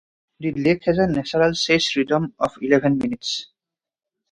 The lake has a natural seiche rhythm of eleven minutes.